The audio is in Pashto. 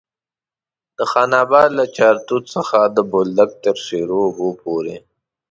د خان اباد له چارتوت څخه د بولدک تر شیرو اوبو پورې.